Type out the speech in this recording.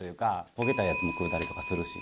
焦げたやつも食うたりとかするし。